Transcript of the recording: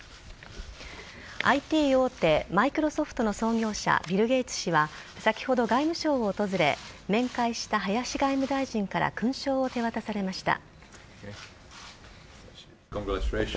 ＩＴ大手・Ｍｉｃｒｏｓｏｆｔの創業者、ビル・ゲイツ氏は先ほど外務省を訪れ面会した林外務大臣から勲章を手渡されました。